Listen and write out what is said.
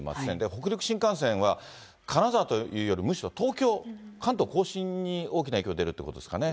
北陸新幹線は金沢というより、むしろ東京、関東甲信に大きな影響が出るということですかね。